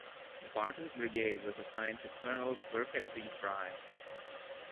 Barton's brigade was assigned to Colonel Birkett D. Fry.